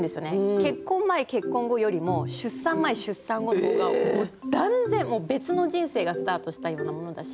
結婚前結婚後よりも出産前出産後の方がもう断然もう別の人生がスタートしたようなものだし。